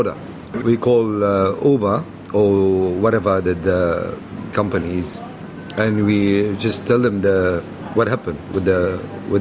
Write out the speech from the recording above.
dan kami hanya memberitahunya apa yang terjadi dengan penghubungan